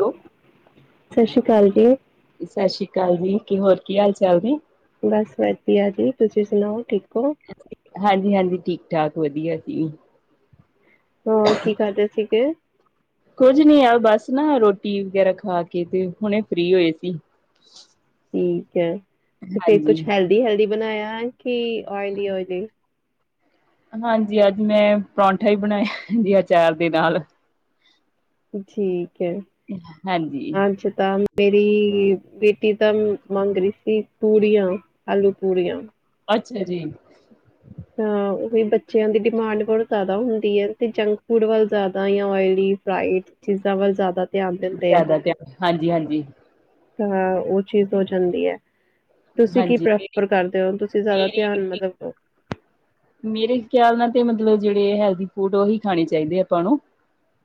Hello ਸਤਿ ਸ੍ਰੀ ਅਕਾਲ ਜੀ ਸਸ ਸ੍ਰੀ ਕਾਲ ਜੀ, ਹੋਰ ਕੀ ਹਾਲ ਚਾਲ ਨੇ ਬਸ ਵਧੀਆ ਜੀ, ਤੁਸੀਂ ਸੁਣਾਓ ਠੀਕ ਹੋ? ਹਾਂਜੀ ਹਾਂਜੀ, ਠੀਕ ਠਾਕ, ਵਧੀਆ ਜੀ ਹੋਰ ਕੀ ਕਰਦੇ ਸੀਗੇ? ਕੁੱਝ ਨੀ ਆ ਬਸ ਨਾ ਰੋਟੀ ਵਗੈਰਾ ਖਾ ਕੇ ਤੇ ਹੁਣੇ ਫਰੀ ਹੋਏ ਸੀ ਠੀਕ ਹੈ, ਤੇ ਫੇਰ ਕੁਛ ਹਾਂਜੀ ਹੈਲਦੀ ਹੈਲਦੀ ਬਨਾਇਆ ਕਿ ਓਇਲੀ ਓਇਲੀ ਹਾਂਜੀ, ਅੱਜ ਮੈਂ ਪਰੌਂਠਾ ਹੀ ਬਣਾਇਆ ਜੀ ਅਚਾਰ ਦੇ ਨਾਲ ਠੀਕ ਹੈ ਹਾਂਜੀ [unintelligible] ਮੇਰੀ ਬੇਟੀ ਤਾਂ ਮੰਗ ਰਹੀ ਸੀ, ਪੂੜੀਆਂ, ਆਲੂ ਪੂੜੀਆਂ ਅੱਛਾ ਜੀ ਹਾ, ਉਹੀ ਬੱਚਿਆਂ ਦੀ ਡਿਮਾਂਡ ਬਹੁਤ ਜ਼ਿਆਦਾ ਹੁੰਦੀ ਹੈ ਤੇ ਜੰਕ ਫੂਡ ਵੱਲ ਜ਼ਿਆਦਾ ਯਾ ਓਇਲੀ ਫਰਾਈਡ ਚੀਜ਼ਾਂ ਵਲ ਜ਼ਿਆਦਾ ਧਿਆਨ ਦਿ ਜ਼ਿਆਦਾ ਧਆਨ, ਹਾਂਜੀ ਹਾਂਜੀ ਤਾਂ ਉਹ ਚੀਜ਼ ਹੋ ਜਾਂਦੀ ਹੈ, ਤੁਸੀਂ ਕੀ ਹਾਂਜੀ ਪਰੇਫ ਮੇਰੀ ਫਰ ਕਰਦੇ ਹੋ, ਤੁਸੀਂ ਜ਼ਿਆਦਾ ਮੇਰੀ ਧਿਆਨ ਮਤਲਬ ਮੇਰੇ ਖਿਆਲ ਨਾਲ ਤੇ ਮਤਲਬ ਜੇਹੜੇ ਹੈਲਦੀ ਫੂਡ ਉਹੀ ਖਾਣੇ ਚਾਹੀਦੇ ਆਪਾਂ ਨੂੰ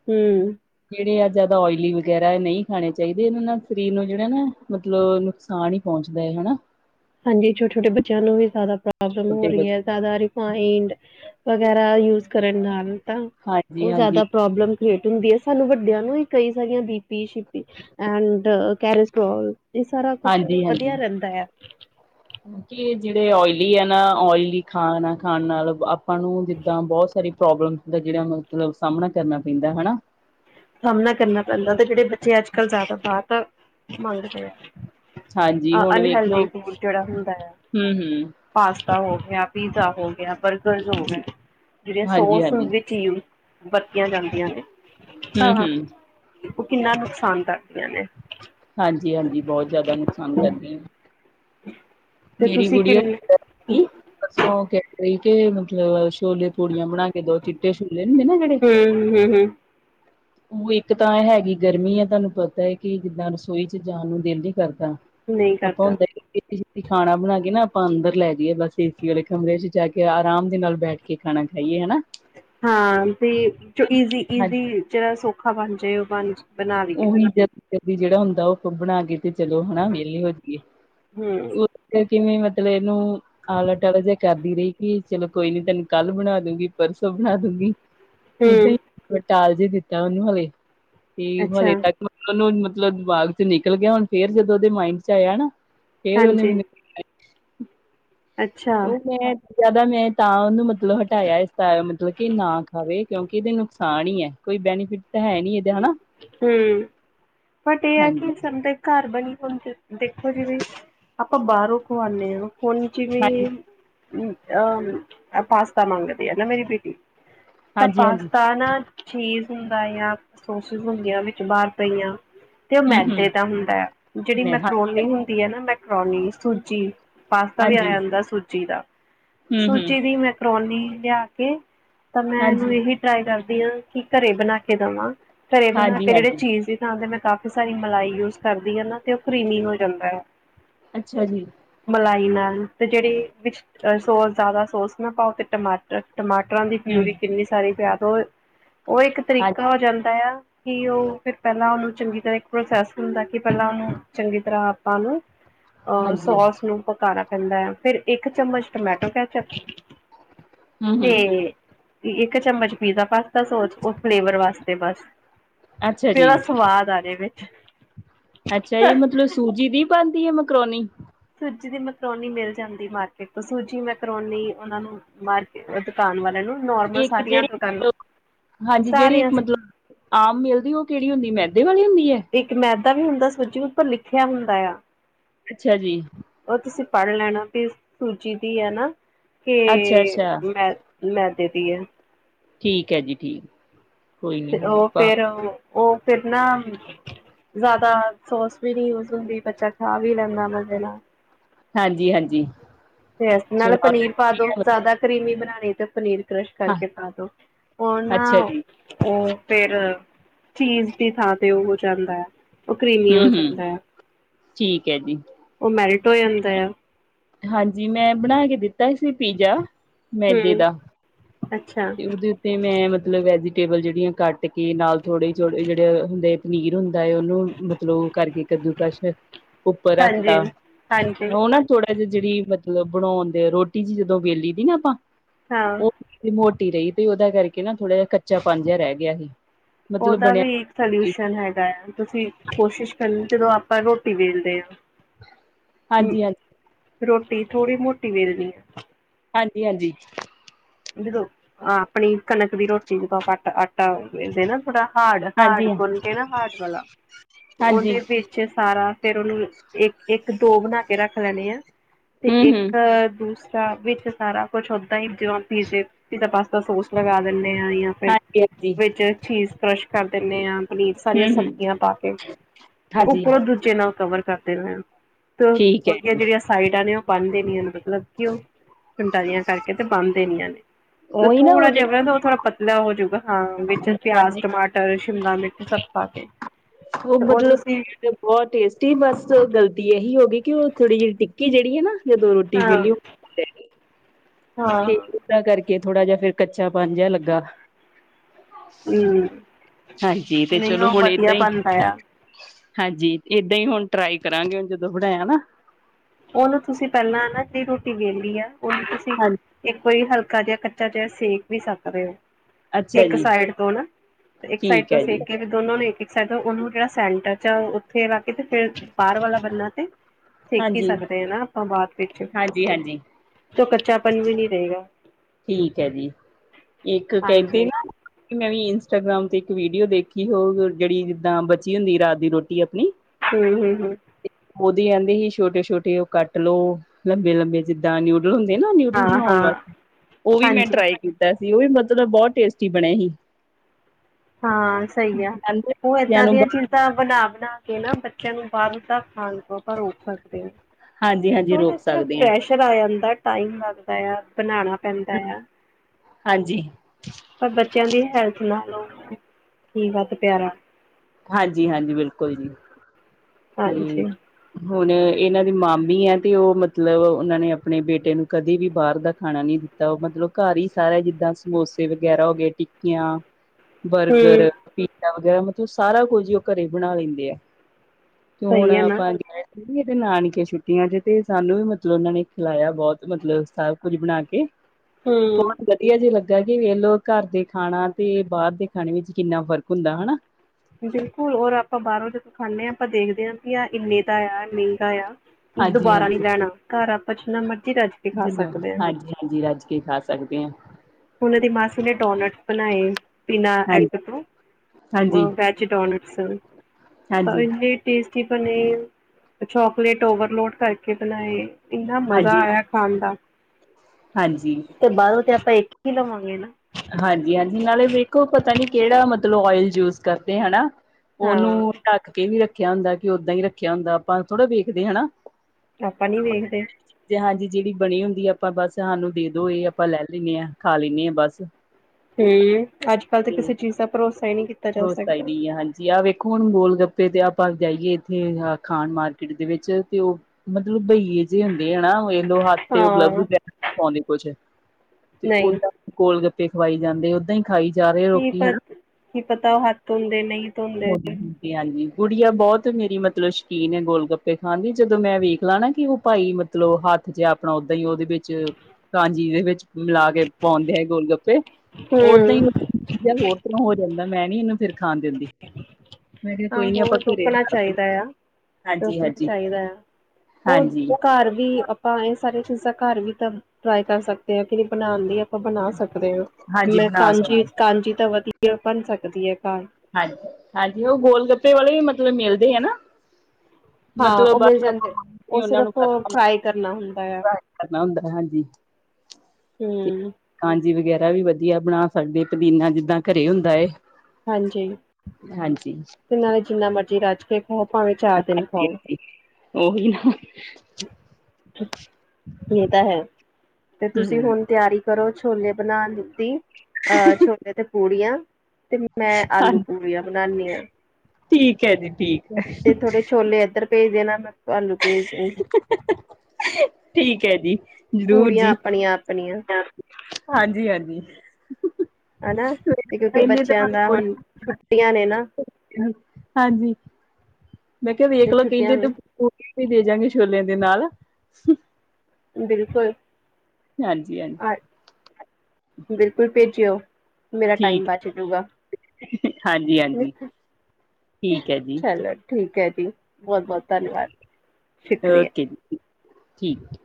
ਹਮ ਜਿਹੜੇ ਆ ਜਿਆਦਾ ਓਇਲੀ ਵਗੈਰਾ ਨਹੀਂ ਖਾਣੇ ਚਾਹੀਦੇ ਇਹਦੇ ਨਾਲ ਸਰੀਰ ਨੂੰ ਜਿਹੜਾ ਨਾ ਮਤਲਬ ਨੁਕਸਾਨ ਹੀ ਪਹੁੰਚਦੇ, ਹੇਨਾ ਹਾਂਜੀ, ਛੋਟੇ ਛੋਟੇ ਬੱਚਿਆਂ ਨੂੰ ਵੀ ਜ਼ਿਆਦਾ ਪ੍ਰੋਬਲਮ ਹੋ ਛੋਟੇ ਰਹੀ ਬੱਚੇ ਹੈ। ਜਿਆਦਾ ਰਿਫਾਇਡ ਵਗੈਰਾ ਯੂਜ ਕਰਨ ਨਾਲ ਤਾਂ, ਹਾਂਜੀ ਉਹ ਹਾਂਜੀ ਜ਼ਿਆਦਾ ਪ੍ਰੋਬਲਮ ਕ੍ਰੀਏਟ ਹੁੰਦੀ ਹੈ, ਸਾਨੂੰ ਵੱਡਿਆਂ ਨੂੰ, ਵੀ ਕਈ ਸਾਰੀਆਂ ਬੀਪੀ, ਸ਼ਪੀ। ਐਂਡ ਕੈਰੇਸਟੋਲ, ਇਹ ਸਾਰਾ ਕੁਛ ਵਧੀਆ ਰਹਿੰਦਾ ਆ ਕ ਜਿਹੜੇ ਓਇਲੀ ਆ ਨਾ ਓਇਲੀ ਖਾਣਾ ਖਾਣ ਨਾਲ ਆਪਾਂ ਨੂੰ ਜਿੱਦਾਂ ਬਹੁਤ ਸਾਰੀ ਪ੍ਰੋਬਲਮ ਦਾ ਜਿਹੜਾ ਮਤਲਬ ਸਾਹਮਣਾ ਕਰਨਾ ਪੈਂਦਾ ਹਨਾ। ਸਾਹਮਣਾ ਕਰਨਾ ਪੈਂਦਾ ਤੇ ਜਿਹੜੇ ਬੱਚੇ ਅੱਜ ਕੱਲ੍ਹ ਜ਼ਿਆਦਾ ਬਾਹਰ ਦਾ ਮੰਗਦੇ ਆ। ਹਾਂਜੀ ਆਹ ਹੁਣ ਅਨਹਲਦੀ ਫੂਡ ਜਿਹੜਾ ਹੁੰਦਾ ਆ ਹੂੰ ਪਾਸਤਾ ਹੋ ਗਿਆ, ਪੀਜ਼ਾ ਹੋ ਗਿਆ, ਬਰਗਰਜ਼ ਹੋ, ਗਿਆਏ। ਜਿਹੜੀਆਂ ਹਾਂਜੀ ਸੋਸ ਹਾਂਜੀ ਦੇ ਚ ਵਰਤੀਆਂ ਜਾਂਦੀਆਂ ਨੇ ਹਮ ਤਾਂ ਹਮ ਉਹ ਕਿੰਨਾ ਨੁਕਸਾਨ ਕਰਦੀਆਂ ਨੇ ਹਾਂਜੀ ਹਾਂਜੀ, ਬਹੁਤ ਜ਼ਿਆਦਾ ਨੁਕਸਾਨ ਕਰਦੇ, ਤੇ ਮੇਰੀ ਤੁਸੀਂ ਗੂੜੀ ਕਿੰਨ ਕੀ ਪਰਸੋਂ ਕਹਿ ਰਹੀ ਕਿ ਮਤਲਬ ਛੋਲੇ ਪੂੜੀਆਂ ਬਣਾ ਕੇ ਦੋ ਚਿੱਟੇ ਛੋਲੇ ਹੁੰਦੇ ਨਾ ਜਿਹੜੇ ਹੂੰ ਹੂੰ ਹੂੰ ਉਹ ਇੱਕ ਤਾਂ ਹੈਗੀ ਗਰਮੀ ਏ ਤੁਹਾਨੂੰ ਪਤਾ ਏ ਕਿ ਜਿੱਦਾਂ ਰਸੋਈ ਚ ਜਾਣ ਨੂੰ ਦਿਲ ਨੀ ਕਰਦਾ ਨਹੀਂ ਆਪਾਂ ਕਰਦਾ। ਹੁੰਦਾ ਖਾਣਾ ਬਣਾ ਕੇ ਨਾ ਆਪਾਂ ਅੰਦਰ ਲੈ ਜਾਈਏ ਬਸ ਏਸੀ ਵਾਲੇ ਕਮਰੇ ਚ ਜਾ ਕੇ ਆਰਾਮ ਦੇ ਨਾਲ ਬੈਠ ਕੇ ਖਾਣਾ ਖਾਈਏ ਹਨਾ ਹਾਂ ਤੇ ਜੋ ਈਜ਼ੀ ਹਾਂਜੀ ਈਜ਼ੀ ਜਿਹੜਾ ਸੌਖਾ ਬਣ ਜਾਏ ਉਹ ਬਣ ਜਾ ਉਹੀ ਜਲਦੀ ਜਲਦੀ ਜਿਹੜਾ ਹੁੰਦਾ ਉਹ ਬਣਾ ਕੇ ਤੇ ਚਲੋ ਹੈਾ ਵਿਹਲੀ ਹੋ ਜਾਗੀ ਹੂੰ ਕਰ ਕਿਵੇਂ ਮਤਲਬ ਇਹਨੂੰ ਆਲਾ ਟਾਲੇ ਜਿਹਾ ਕਰਦੀ ਰਹੀਗੀ ਚਲੋ ਕੋਈ ਨੀ ਤੈਨੂੰ ਕੱਲ ਬਣਾ ਦੂੰਗੀ ਪਰਸੋਂ ਬਣਾ ਦੂੰਗੀ ਏਦਾਂ ਹੂੰ। ਹੀ ਟਾਲ ਜੇ ਦਿੱਤਾ ਉਹਨੂੰ ਹਲੇ ਤੇ ਹਲੇ ਅੱਛਾ ਤੱਕ ਉਹਨੂੰ ਮਤਲਬ ਦਿਮਾਗ ਚ ਨਿਕਲ ਗਿਆ ਹੁਣ ਫੇਰ ਜਦੋਂ ਉਹਦੇ ਮਾਇੰਡ ਚ ਆਇਆ ਨਾ ਫ਼ੇਰ ਉਹਨੇ ਹਾਂਜੀ ਮੈਨੂੰ ਅੱਛਾ। ਉਹ ਮੈਂ ਜ਼ਿਆਦਾ ਮੈਂ ਤਾਂ ਉਹਨੂੰ ਮਤਲਬ ਹਟਾਇਆ ਇਸ ਤ ਮਤਲਬ ਕਿ ਨਾ ਖਾਵੇ ਕਿਉਂਕਿ ਇਹਦੇ ਨੁਕਸਾਨ ਈ ਐ ਕੋਈ ਬੈਨੀਫਿਟ ਤਾਂ ਹੈ ਨੀ ਇਹਦਾ ਹਨਾ ਹੂੰ ਬਟ ਇਹ ਆ ਕਿ ਹਾਂਜੀ ਸਮਦੇ ਘਰ ਬਣੀ ਹੋਣ ਦੇਖੋ ਜਿਵੇਂ ਆਪਾਂ ਬਾਹਰੋਂ ਕਰਵਾਉਂਦੇ ਹਾਂ ਹੁਣ ਹਾਂਜੀ ਜਿਵੇਂ ਅਹ ਪਾਸਤਾ ਮੰਗਦੀ ਆ ਨਾ ਮੇਰੀ ਬੇਟੀ ਤਾਂ ਹਾਂਜੀ ਹਾਂਜੀ ਪਾਸਤਾ ਨਾ [unintelligible] ਹੁੰਦਾ ਆ ਹੁੰਦੀਆਂ ਵਿੱਚ ਬਾਹਰ ਪਈਆਂ ਤੇ ਉਹ ਹਮ ਹਮ ਮੈਦੇ ਦਾ ਹੁੰਦਾ ਹੈ ਜਿਹੜੀ ਮੈਂ ਹਾਂਜੀ ਮੈਕਰੋਨੀ ਹ ਨਾ ਮੈਕਰੋਨੀ ਸੂਜੀ ਪਾਸਤਾ ਵੀ ਆ ਹਾਂਜੀ ਜਾਂਦਾ ਸੂਜੀ ਦਾ ਹਮ ਹਮ ਸੂਜੀ ਦੀ ਮੈਂਕਰੋਨੀ ਲਿਆ ਕੇ ਤਾਂ ਮੈਂ ਇਹਨੂੰ ਹਾਂਜੀ ਇਹੀ ਟਰਾਈ ਕਰਦੀ ਹਾਂ ਕਿ ਘਰੇ ਬਣਾ ਕੇ ਦੇਵਾਂ ਘਰੇ ਬਣਾ ਹਾਂਜੀ ਕੇ ਜਿਹੜੇ ਹਾਂਜੀ ਚੀਜ਼ ਨਾਲ ਮੈਂ ਕਾਫ਼ੀ ਸਾਰੀ ਮਲਾਈ ਯੂਜ ਕਰਦੀ ਹਾਂ ਨਾ ਤੇ ਉਹ ਕਰੀਮੀ ਹੋ ਜਾਂਦਾ ਹੈ ਅੱਛਾ ਜੀ ਮਲਾਈ ਨਾਲ ਤੇ ਜਿਹੜੇ ਵਿੱਚ ਸੋਸ ਜ਼ਿਆਦਾ ਸੋਸ ਮੈਂ ਪਾਓ ਤੇ ਟਮਾਟਰ ਟਮਾਟਰਾਂ ਦੀ ਹਮ ਪਿਊਰੀ ਕਿੰਨੀ ਸਾਰੀ ਪਿਆ ਉਹ ਇੱਕ ਹਾਂ ਤਰੀਕਾ ਹੋ ਜਾਂਦਾ ਆ ਕਿ ਉਹ ਫਿਰ ਪਹਿਲਾਂ ਉਹਨੂੰ ਚੰਗੀ ਤਰ੍ਹਾਂ ਇੱਕ ਪ੍ਰੋਸੈਸ ਹੁੰਦਾ ਕਿ ਪਹਿਲਾਂ ਉਹਨੂੰ ਚੰਗੀ ਤਰ੍ਹਾਂ ਆਪਾਂਨੂੰ ਅ ਹਾਂਜੀ ਸੋਸ ਨੂੰ ਪਕਾਣਾ [unintelligible] ਫਿਰ ਇੱਕ ਚਮਚ ਟਮੈਟੋ ਕੈਚਅਪ ਹਮ ਤੇ ਹਮ ਇੱਕ ਚਮਚ ਪੀਜ਼ਾ ਪਾਸਤਾ ਸੋਸ ਫਲੇਵਰ ਵਾਸਤੇ ਬਸ ਅੱਛਾ ਤੇ ਜੀ ਉਹਦਾ ਸਵਾਦ ਆ ਜ ਵਿੱਚ ਅੱਛਾ ਇਹ ਮਤਲਬ ਸੂਜੀ ਦੀ ਬਣਦੀ ਹੈ ਮਕਰੋਨੀ ਸੂਜੀ ਦੀ ਮੈਕਰੋਨੀ ਮਿਲ ਜਾਂਦੀ ਮਾਰਕੀਟ ਤੋਂ ਸੂਜੀ ਮੈਕਰੋਨੀ ਉਹਨਾ ਨੂੰ ਮਾਰਕ ਦੁਕਾਨ ਵਾਲਿਆਂ ਨੂੰ ਨੋਰਮਲ ਇੱਕ ਸਾਰੀਆਂ ਜਿਹੜੀ ਦੁਕਾਨਾਂ ਮਤਲਬ ਹਾਂਜੀ ਜਿਹੜੀ ਸਾਰੀਆਂ ਇੱਕ ਮਤਲਬ ਆਮ ਮਿਲਦੀ ਉਹ ਕਿਹੜੀ ਹੁੰਦੀ ਮੈਦੇ ਵਾਲੀ ਹੁੰਦੀ ਏ ਇੱਕ ਮੈਦਾ ਵੀ ਹੁੰਦਾ ਸਚੀ ਉੱਪਰ ਲਿਖਿਆ ਹੁੰਦਾ ਆ ਅੱਛਾ ਜੀ ਉਹ ਤੁਸੀਂ ਪੜ੍ਹ ਲੈਣਾ ਵੀ ਸੂਜੀ ਦੀ ਹੈ ਨਾ ਅੱਛਾ ਕਿ ਅੱਛਾ ਮੈਂ ਮੈਦੇ ਦੀ ਐ ਠੀਕ ਹੈ ਜੀ ਠੀਕ ਕੋਈ ਨੀ ਹੁਣ ਉਹ ਆਪਾਂ ਫੇਰ ਉਹ ਫੇਿਰ ਨਾ ਜ਼ਿਆਦਾ ਸੋਸ ਵੀ ਨੀ ਯੂਜ ਹੁੰਦੀ ਬੱਚਾ ਖਾ ਵੀ ਲੈਂਦਾ ਮਜੇ ਨਾਲ ਹਾਂਜੀ ਹਾਂਜੀ ਤੇ ਇਸ ਨਾਲ ਚਲੋ ਪਨੀਰ ਪਾ ਦੋ, ਜ਼ਿਆਦਾ ਕਰੀਮੀ ਬਣਾਣੀ ਤੇ ਪਨੀਰ ਕ੍ਰਸ਼ ਹਾਂ ਕਰਕੇ ਪਾ ਦੋ। ਉਹ ਨਾ ਅੱਛਾ ਜੀ ਉਹ ਫੇਰ ਚੀਜ਼ ਦੀ ਥਾਂ ਤੇ ਉਹ ਹੋ ਜਾਂਦਾ ਐ। ਉਹ ਕਰੀਮੀ ਹੂੰ ਹੋ ਹੂੰ ਜਾਂਦਾ ਐ। ਠੀਕ ਹੈ ਜੀ ਉਹ ਮੈਲਟ ਹੋ ਜਾਂਦਾ ਐ। ਹਾਂਜੀ, ਮੈਂ ਬਣਾ ਕੇ ਦਿੱਤਾ ਸੀ ਪੀਜ਼ਾ ਮੈਦੇ ਹੂੰ ਦਾ ਅੱਛਾ ਤੇ ਉਹਦੇ ਤੇ ਮੈਂ ਮਤਲਬ ਵੈਜੀਟੇਬਲ ਜਿਹੜੀਆਂ ਕੱਟ ਕੇ ਨਾਲ ਥੋੜੇ ਜਿਹੜੇ ਹੁੰਦੇ ਆ ਪਨੀਰ ਹੁਣ ਦਾ ਉਹਨੂੰ ਮਤਲਬ ਉਹ ਕਰਕੇ ਕੱਦੂ ਕਸ਼ ਉੱਪਰ ਹਾਂਜੀ ਰੱਖਤਾ, ਹਾਂਜੀ ਉਹ ਨਾ ਥੋੜਾ ਜਿਹਾ ਜਿਹੜੀ ਮਤਲਬ ਬਣਾਉਣ ਦੇ ਆ ਰੋਟੀ ਜਿਹੀ ਜਦੋਂ ਵੇਲੀ ਦੀ ਨਾ ਆਪਾਂ ਹਾਂ। ਉਹ ਮੋਟੀ ਰਹੀ ਤੇ ਉਹਦਾ ਕਰਕੇ ਨਾ ਥੋੜਾ ਜਿਹਾ ਕੱਚਾ ਪੰਣ ਜਿਹਾ ਰਹਿ ਗਿਆ ਸੀ। ਮਤਲਬ ਉਹਦਾ ਬਣਿਆ ਵੀ ਇੱਕ ਸੋਲਿਊਸ਼ਨ ਹੈਗਾ। ਤੁਸੀਂ ਕੋਸ਼ਿਸ਼ ਕਰਨੀ ਜਦੋਂ ਆਪਾਂ ਰੋਟੀ ਵੇਲਦੇ ਹਾਂ। ਹਮ ਹਾਂਜੀ ਹਾਂਜੀ ਰੋਟੀ ਥੋੜੀ ਮੋਟੀ ਵੇਲਣੀ ਆ। ਹਾਂਜੀ-ਹਾਂਜੀ। ਜਦੋਂ ਆਪਣੀ ਕਣਕ ਦੀ ਰੋਟੀ ਜਦੋਂ ਆਪਾਂ ਆਟ ਆਟਾ ਵੇਲਦੇ ਨਾ ਥੋੜਾ ਹਾਂਜੀ ਹਾਰਡ-ਹਾਰਡ ਗੁੰਣ ਕੇ ਨਾ ਹਾਰਡ ਵਾਲਾ ਤੇ ਹਾਂਜੀ ਉਹਦੇ ਵਿੱਚ ਪੇ ਸਾਰਾ ਫੇਰ ਉਹਨੂੰ ਇੱਕ-ਇੱਕ ਢੋ ਬਣਾ ਕੇ ਰੱਖ ਲੈਣੇ ਆ। ਤੇ ਹੂੰ ਹੂੰ ਇੱਕ ਦੂਸਰਾ ਵਿੱਚ ਸਾਰਾ ਕੁਛ ਓਦਾਂ ਹੀ ਜ ਪੀੇਜੇ ਪੀਜ਼ਾ ਪਾਸਤਾ ਸੋਸ ਲਗਾ ਦਿੰਦੇ ਆ ਜਾਂ ਫੇਰ ਹਾਂਜੀ ਹਾਂਜੀ ਵਿੱਚ ਚੀਜ਼ ਕਰਸ਼ ਕਰ ਦਿੰਦੇ ਹਾਂ, ਪਨੀਰ ਸਾਰੀਆਂ ਹੂੰ ਹੂੰ ਸਬਜ਼ੀਆਂ ਪਾ ਕੇ ਹਾਂਜੀ ਉੱਪਰੋਂ ਦੁੱਧ ੱਚੇ ਨਾਲ ਕਵਰ ਕਰ ਦੇਣਾ ਆ ਤੇ ਠੀਕ ਹੈ ਉਹਦੀਆਂ ਜੀ। ਜਿਹੜੀਆਂ ਸਬ ਸਾਈਡਾਂ ਨੇ ਉਹ ਬੰਨ ਦੇਣੀਆਂ ਨੇ ਮਤਲਬ ਕਿ ਉਹ [unintelligible] ਕਰਕੇ ਤੇ ਬੰਨ ਦੇਣੀਆਂ ਨੇ, ਤੇ ਉਹੀ ਨਾ ਉਹ ਥੋੜਾ ਜਿਹਾ ਉਹਦਾ ਉਹ ਥੋੜਾ ਪਤਲਾ ਹੋਜੂਗਾ ਹਾਂ ਵਿੱਚ ਜਿਹੜੇ ਪਿਆਜ ਹਾਂਜੀ ਟਮਾਟਰ ਅ ਸ਼ਿਮਲਾ ਵਿੱਚ ਸਭ ਪਾ ਕੇ ਉਹ ਤੇ ਬਦਲ ਤੁਸੀਂ ਚਿ ਬਹੁਤ ਟੇਸਟੀ ਬਸ ਗ਼ਲਤੀ ਇਹੀ ਹੋ ਗਈ ਕਿ ਉਹ ਥੋੜ੍ਹੀ ਜਿਹੀ ਟਿੱਕੀ ਜਿਹੜੀ ਐ ਨਾ, ਜਦੋਂ ਰੋਟੀ ਹਾਂ ਵੇਲੀ ਹਾਂ ਤੇ ਓਦਾਂ ਕਰਕੇ ਥੋੜਾ ਜਿਹਾ ਫੇਰ ਕੱਚਾ ਪੰਨ ਜਿਹਾ ਲੱਗਾ। ਹੂੰ ਹਾਂਜੀ ਤੇ ਨਹੀਂ ਚਲੋ ਉਹ ਹੁਣ ਵਧੀਆ ਏਦਾਂ ਈ ਬਣਦਾ ਆ। ਹਾਂਜੀ, ਏਦਾਂ ਹੀ ਹੁਣ ਟਰਾਈ ਕਰਾਂਗੇ ਹੁਣ ਜਦੋਂ ਬਣਾਇਆ ਨਾ। ਉਹਨੂੰ ਤੁਸੀਂ ਪਹਿਲਾਂ ਨਾ ਜਿਹੜੀ ਰੋਟੀ ਵੇਲੀ ਆ ਉਹਨੂੰ ਹਾਂਜੀ। ਇੱਕ ਕੋਈ ਹਲਕਾ ਜਿਹਾ ਕੱਚਾ ਜਿਹਾ ਸੇਕ ਵੀ ਸਕਦੇ ਹੋ। ਅੱਛਾ ਇੱਕ ਜੀ ਸਾਈਡ ਤੋਂ ਨਾ ਇੱਕ ਸਾਈਡ ਠੀਕ ਤੋਂ ਹੈ ਜੀ ਸੇਕ ਦੋਨਾਂ ਨੇ ਇੱਕ-ਇੱਕ ਸਾਈਡ ਉਹਨੂੰ ਜਿਹੜਾ ਸੈਂਟਰ ਚ ਉੱਥੇ ਰੱਖ ਕੇ ਤੇ ਫਿਰ ਬਾਹਰ ਵਾਲਾ ਬੰਨਾ ਤੇ ਕੀ ਹਾਂਜੀ ਸਕਦੇ ਆ ਨਾ ਆਪਾਂ ਬਾਅਦ ਵਿੱਚ ਹਾਂਜੀ ਹਾਂਜੀ ਤੋ ਕੱਚਾਪਨ ਵੀ ਨੀ ਰਹੇਗਾ। ਠੀਕ ਐ ਜੀ, ਇੱਕ ਕਹਿ ਕੇ ਹਾਂਜੀ ਨਾ ਮੈਂ ਵੀ ਇੰਸਟਾਗ੍ਰਾਮ ਤੇ ਇੱਕ ਵੀਡੀਓ ਦੇਖੀ ਹੋਊ, ਜਿਹੜੀ ਜਿੱਦਾਂ ਬਚੀ ਹੁੰਦੀ ਰਾਤ ਦੀ ਰੋਟੀ ਆਪਣੀ ਹੂੰ-ਹੂੰ-ਹੂੰ। ਉਹਦੀ ਕਹਿੰਦੀ ਸੀ ਛੋਟੇ-ਛੋਟੇ ਉਹ ਕੱਟ ਲੋੋ ਲੰਬੇ-ਲੰਬੇ ਜਿੱਦਾਂ ਨਿਊਡਲ ਹੁੰਦੇ ਨਾ, ਨਿਊਡਲ ਹਾਂ ਬਣਾਉਣ ਹਾਂ ਵਾਸਤੇ, ਉਹ ਵੀ ਮੈਂ ਹਾਂਜੀ ਟਰਾਈ ਕੀਤਾ ਸੀ, ਉਹ ਵੀ ਮਤਲਬ ਬਹੁਤ ਟੇਸਟੀ ਬੰਨੇ ਸੀ। ਹਾਂ ਸਹੀ ਆ, ਕਹਿੰਦੇ ਉਹ ਬੱਚਿਆਂ ਏਦਾਂ ਨੂੰ ਦੀਆਂ ਚੀਜ਼ਾਂ ਬਣਾ-ਬਣਾ ਕੇ ਨਾ ਬੱਚਿਆਂ ਨੂੰ ਬਾਹਰ ਦਾ ਖਾਣ ਤੋਂ ਆਪਾਂ ਰੋਕ ਸਕਦੇ ਹਾਂ। ਹਾਂਜੀ-ਹਾਂਜੀ ਥੋੜਾ ਰੋਕ ਜਿਹਾ ਸਕਦੇ ਹਾਂ ਪ੍ਰੈਸ਼ਰ ਆ ਜਾਂਦਾ, ਟਾਈਮ ਲੱਗਦਾ ਆ, ਬਣਾਣਾ ਪੈਂਦਾ ਆ। ਹਾਂਜੀ। ਪਰ ਬੱਚਿਆਂ ਦੀ ਹੈਲਥ ਨਾਲ ਕੀ ਵੱਕਤ ਪਿਆਰਾ। ਹਾਂਜੀ-ਹਾਂਜੀ, ਬਿਲਕੁਲ ਜੀ ਹਾਂਜੀ, ਠੀਕ। ਹੁਣ ਇਹਨਾਂ ਦੀ ਮਾਮੀ ਐ ਤੇ, ਉਹ ਮਤਲਬ ਉਹਨਾਂ ਨੇ ਆਪਣੇ ਬੇਟੇ ਨੂੰ ਕਦੇ ਵੀ ਬਾਹਰ ਦਾ ਖਾਣਾ ਨੀ ਦਿੱਤਾ। ਤਾਂ ਮਤਲਬ ਘਰ ਹੀ ਸਾਰੇ ਜਿੱਦਾਂ, ਸਮੋਸੇ ਵਗੈਰਾ ਹੋ ਗਏ ਟਿੱਕੀਆਂ ਹ ਬਰਗਰ, ਪੀਜ਼ਾ ਵਗੈਰਾ ਮਤਲਬ ਸਾਰਾ ਕੁਝ ਹੀ ਉਹ ਘਰੇ ਹੀ ਬਣਾ ਲੈਂਦੇ ਐ ਤੇ ਹੁਣ ਸਹੀ ਹੈ ਨਾ। ਆਪਾਂ। ਜੇਹੜੇ ਇਹਦੇ ਨਾਨਕੇ ਛੁੱਟੀਆਂ ਚ ਤੇ ਸਾਨੂੰ ਵੀ ਮਤਲਬ ਉਹਨਾਂ ਨੇ ਖਿਲਾਇਆ ਬਹੁਤ ਮਤਲਬ, ਸਭ ਕੁਝ ਬਣਾ ਕੇ। ਹੂੰ, ਬੋਹਤ ਵਧੀ ਇਹ ਜੇ ਲੱਗਾ ਕਿ ਵੇਖਲੋ ਘਰ ਦੇ ਖਾਣਾ ਤੇ ਬਾਹਰ ਦੇ ਖਾਣੇ ਵਿੱਚ ਕਿੰਨਾ ਫ਼ਰਕ ਹੁੰਦਾ, ਹੇਨਾ। ਬਿਲਕੁਲ, ਔਰ ਆਪਾਂ ਬਾਹਰੋਂ ਜਦੋਂ ਖਾਂਨੇ ਆ ਆਪਾਂ ਦੇਖਦੇ ਹਾਂ, ਵੀ ਆ ਇੰਨੇ ਦਾ ਆ ਮਹਿੰਗਾ ਆ। ਦੁਬਾਰਾ ਨੀ ਹਾਂਜੀ-ਹਾਂਜੀ ਲੈਣਾ, ਘਰ ਆਪਾਂ ਜਿਨਾ ਮਰਜੀ ਰੱਜ ਕੇ ਖਾ ਸਕਦੇ ਆ ਹਾਂਜੀ, ਰਾੱਜ ਕੇ ਖਾ ਸਕਦੇ ਹਾਂ। ਹੁਨ ਏਦੀ ਮਾਸੀ ਨੇ ਡੋਨਟ ਬਨਾਏ। ਬਿਨਾਂ ਹਾਂਜੀ, ਐਗ ਤੋਂ, ਹਾਂਜੀ, ਵੇਜ ਡੋਨਟਸ ਹਾਂਜੀ, ਟੇਸਟੀ ਬਨੇ, ਚੋਕਲੇਟ ਓਵਰਲੋਡ ਕਰਕੇ ਬਨਾਏ। ਏਨਾ ਮਜ਼ਾ ਹਾਂਜੀ, ਆਇਆ ਖਾਨ ਦਾ। ਹਾਂਜੀ। ੳ ਬਲਕ ਐ ਆਪਾਂ ਇੱਕ ਹੀ ਲਵਾਂਗੇ ਨਾ। ਹਾਂਜੀ, ਹਾਂਜੀ ਨਾਲੇ ਵੇਖੋ ਪਤਾ ਨੀ ਕਿਹੜਾ ਮਤਲਬ ਓਇਲ ਯੂਜ ਕਰਦੇ ਹੇਨਾ। ਹਾਂ ਉਹਨੂੰ ਢੱਕ ਕੇ ਵੀ ਰੱਖਿਆ ਹੁੰਦਾ, ਕਿ ਓਦਾਂ ਹੀ ਰੱਖਿਆ ਹੁੰਦਾ, ਆਪਾਂ ਥੋੜ੍ਹਾ ਵੇਖਦੇ? ਹੇਨਾ। ਆਪਾਂ ਨੀ ਵੇਖਦੇ। ਤੇ ਹਾਂਜੀ, ਜੇਹੜੀ ਬਣੀ ਹੁੰਦੀ ਆ, ਆਪਾਂ ਬਸ ਸਾਨੂੰ ਦੇ ਦੋ ਇਹ ਆਪਾਂ ਲੈ ਲੈਂਨੇ ਆ, ਖਾ ਲੈਂਨੇ ਆ, ਬਸ। ਹਮ ਅੱਜ, ਕੱਲ ਤਾਂ ਕਿਸੇ ਚੀਜ਼ ਦਾ ਭਰੋਸਾ ਹੀ ਨਹੀਂ ਕੀਤ ਭਰੋਸਾ ਈ ਨੀ ਆ, ਹ ਤੁਸੀਂ ਆਹ ਵੇਖੋ, ਹੁਣ ਗੋਲ ਗੱਪੇ ਤੇ ਆਪਾਂ ਜਾਈਏ ਇੱਥੇ ਖਾਣ ਮਾਰਕੀਟ ਦੇ ਵਿੱਚ ਤੇ, ਉਹ। ਮਤਲਬ ਬਹੀਏ ਜੇ ਹੁੰਦੇ ਹੈ ਨਾ, ਇਹ ਲੋ ਹੱਥ ਤੇ ਉਹ ਗਲੱ ਹਾਂ [unintelligible] ਪਾਉਂਦੇ ਕੁਛ ਤੇ, ਨਹੀਂ ਓਦਾਂ ਗੋਲ ਗੱਪੇ ਖਵਾਈ ਜਾਂਦੇ ਓਦਾਂ ਹੀ। ਖਾਈ ਜਾ ਰਹੇ। ਕੀ ਲੋਕੀ ਹਨਾ। ਪਤ, ਕੀ ਪਤਾ ਉਹ ਹੱਥ ਧੌਦੇਂ ਨਹੀਂ ਧੋਂਦੇ। [unintelligible] ਹਾਂਜੀ, ਗੁੜੀਆ ਬਹੁਤ ਮੇਰੀ ਮਤਲਬ ਸ਼ੌਕੀਨ ਹੈ ਗੋਲ ਗੱਪੇ ਖਾਣ ਦੀ, ਜਦੋਂ ਮੈਂ ਵੇਖ ਲਾਂ ਨਾ ਕਿ ਉਹ ਭਾਈ ਮਤ ਮਤਲਬ ਹੱਥ ਜ ਆਪਣਾ ਓਦਾਂ ਹੀ ਉਹਦੇ ਵਿੱਚ, ਕਾਂਜੀ ਦੇ ਵਿੱਚ ਮਿਲਾ ਕੇ ਪਾਉਂਦੇ ਹੈ ਗੋਲ ਗੱਪੇ ਓਦਾਂ ਹੀ ਹੂੰ। ਮ ਹੋਰ ਤਰ੍ਹਾਂ ਹੋ ਜਾਂਦਾ ਮੈਂ ਨੀ ਇਹਨੂੰ ਫੇਰ ਖਾਣ ਦਿੰਦੀ ਮੈਂ ਕਿਹਾ ਕੋਈ ਨੀ ਆਹੋ ਆਪਾਂ ਘਰੇ ਰੋਕਣਾ ਬਣਾ ਚਾਹੀਦਾ ਸਕਦੇ ਆ, ਹਾਂਜੀ ਰੋਕਣਾ ਹਾਂਜੀ ਚਾਹੀਦਾ ਆ ਉਹ ਹਾਂਜੀ ਘਰ ਵੀ ਅ ਆਪਾਂ ਇਹ ਸਾਰੀਆਂ ਚੀਜ਼ਾਂ ਘਰ ਵੀ ਤਾਂ, ਟਰਾਈ ਕਰ ਸਕਦੇ ਹਾਂ ਕਿ ਬਣਾਣ ਦੀ ਆ ਆਪਾਂ ਬਣਾ ਸਕਦੇ ਹਾਂ ਹਾਂਜੀ ਮੈਂ ਬਣਾ ਕਾਂਜੀ, ਸਕਦੇ ਕਾਂਜੀ ਤਾਂ ਵਧੀਆ, ਬਣ ਸਕਦੀ ਹੈ ਘਰ ਹਾਂਜੀ, ਹਾਂਜੀ। ਉਹ ਗੋਲ ਗੱਪੇ ਵਾਲੇ ਵੀ ਮਤਲਬ ਮਿਲਦੇ ਹੈ ਨਾ। ਹਾਂ ਮਤਲਬ ਉਹ ਮਿਲ ਬਸ ਆਪ ਜਾਂਦੇ। ਉਹ ਉਹਨਾਂ ਨੂੰ ਸਿਰਫ ਪਤਾ ਫਰਾਈ ਕਰਨਾ ਹੁੰਦਾ ਆ। ਕਰਨਾ ਹੁੰਦੇ, ਹਾਂਜੀ। ਤੇ ਹਮ। ਕਾਂਜੀ, ਵਗੈਰਾ ਵੀ ਵਧੀਆ ਬਣਾ ਸਕਦੇ ਪੁਦੀਨਾ ਜਿੱਦਾਂ ਘਰੇ ਹੁੰਦੇ ਏ। ਹਾਂਜੀ ਹਾਂਜੀ ਤੇ ਨਾਲੇ ਜਿੰਨਾ ਮਰਜ਼ੀ ਰਜ ਕੇ ਖਾਓ ਭਾਵੇਂ ਚਾਰ ਦਿਨ ਖਾਓ ਉਹੀ ਨਾ। ਇਹ ਤਾਂ ਹੈ ਤੇ ਤੁਸੀਂ ਹੂੰ ਹੁਨ ਤਿਆਰੀ ਕਰੋ ਛੋਲੇ ਬਣਾਨ ਦੀ, ਅਹ ਛੋਲੇ ਤੇ ਪੂੜੀਆਂ ਤੇ ਮੈਂ ਆਲੂ ਹਾਂਜੀ ਪੂਰੀਆਂ ਬਨਾਨੀ ਆ ਠੀਕ ਹੈ ਜੀ, ਠੀਕ। ਹੈ ਤੇ ਥੋੜੇ ਛੋਲੇ ਏਧਰ ਭੇਜ ਦੇਨਾ, ਮੈਂ ਆਲੂ ਭੇਜ ਦੂਗੀ। ਠੀਕ ਹੈ ਜੀ, ਜ਼ਰੂਰ ਜੀ ਆਪਣੀਆਂ ਆਪਣੀਆਂ ਹਾਂਜੀ, ਹਾਂਜੀ। ਹਨਾ, ਤੇ ਕਿਉਂਕਿ ਕਹਿੰਦੇ ਤਾਂ ਬੱਚੇਆਂ ਦਾ ਹੋਨ, ਮੈਂ ਛੁੱਟੀਆਂ ਨੇ ਨਾ। ਹਾਂਜੀ। ਮੈਂ ਕੇਆ ਤੇ ਵੇਖਲਓ ਛੁੱਟੀਆਂ ਕੈਂਦੇ ਵੀ ਤੇ, ਪੂੜੀ ਵੀ ਦੇਜਾਂਗੇ ਸੋ਼ਲੇਆਂ ਦੇ ਨਾਲ। ਬਿਲਕੁਲ। ਹਾਂਜੀ, ਹਾਂਜੀ। [unintelligible] ਬਿਲਕੁਲ ਭੇਜੇਓ। ਮੇਰਾ ਟਾਈਮ ਠੀਕ ਬੱਚ ਜੂਗਾ, ਹਾਂਜੀ ਹਾਂਜੀ ਠੀਕ ਹੈ ਜੀ ਚਲੋ। ਠੀਕ ਐ ਜੀ, ਬੋਤ, ਬੋਤ। ਓਕੇ ਜੀ, ਠੀਕ।